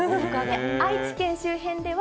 愛知県周辺では、